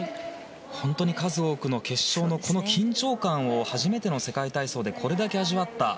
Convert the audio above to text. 本当に、数多くの決勝の緊張感を初めての世界体操でこれだけ味わった。